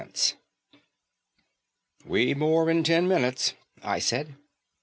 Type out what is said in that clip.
] "We moor in ten minutes," I said.